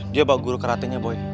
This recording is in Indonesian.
dia bawa guru keratonnya boy